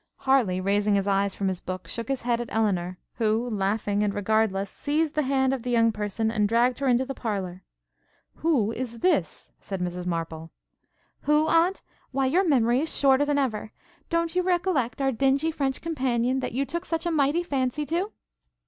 Harleigh, raising his eyes from his book, shook his head at Elinor, who, laughing and regardless, seized the hand of the young person, and dragged her into the parlour. 'Who is this?' said Mrs Maple. 'Who, Aunt? Why your memory is shorter than ever! Don't you recollect our dingy French companion, that you took such a mighty fancy to?'